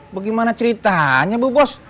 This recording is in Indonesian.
bagaimana ceritanya bu bos